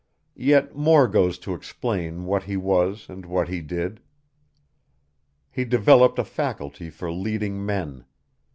Yet more goes to explain what he was and what he did. He developed a faculty for leading men.